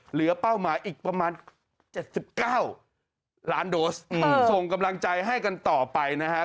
เป้าหมายอีกประมาณ๗๙ล้านโดสส่งกำลังใจให้กันต่อไปนะฮะ